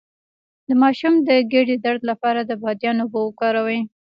د ماشوم د ګیډې درد لپاره د بادیان اوبه وکاروئ